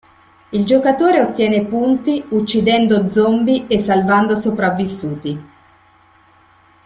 Il giocatore ottiene punti uccidendo zombie e salvando sopravvissuti.